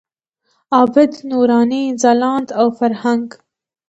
عابد، نوراني، ځلاند او فرهنګ.